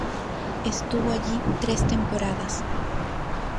Estuvo allí tres temporadas.